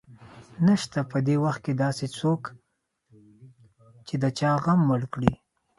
نشته په دې وخت کې داسې څوک چې د چا غم مړ کړي